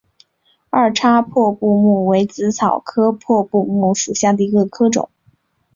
二叉破布木为紫草科破布木属下的一个种。